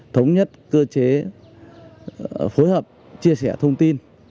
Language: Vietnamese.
thống nhất cơ chế phối hợp chia sẻ thông tin